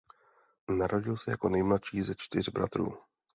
Narodil se jako nejmladší ze čtyř bratrů.